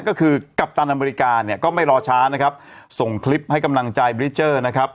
ก็คือกัปตันอเมริกาเนี่ยก็ไม่รอช้านะครับส่งคลิปให้กำลังใจบริเจอร์นะครับ